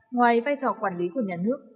ngoài vai trò quản lý của nhà nước